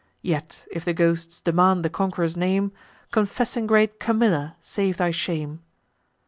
Yet, if the ghosts demand the conqu'ror's name, Confessing great Camilla, save thy shame."